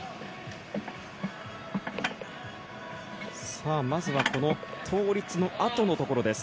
さあ、まずはこの倒立のあとのところです。